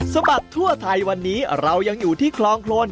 บัดทั่วไทยวันนี้เรายังอยู่ที่คลองโครน